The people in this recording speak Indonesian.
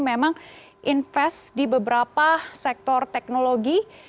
memang investasi di beberapa sektor teknologi